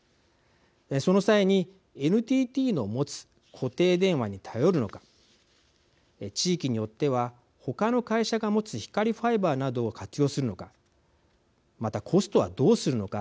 その際に、ＮＴＴの持つ固定電話に頼るのか地域によっては他の会社が持つ光ファイバーなどを活用するのかまたコストはどうするのか。